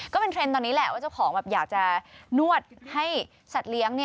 ก็เป็นเทรนด์ตอนนี้แหละว่าเจ้าของแบบอยากจะนวดให้สัตว์เลี้ยง